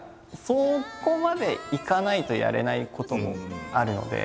そこまでいかないとやれないこともあるので。